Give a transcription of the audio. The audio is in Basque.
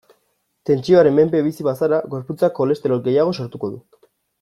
Tentsioaren menpe bizi bazara, gorputzak kolesterol gehiago sortuko du.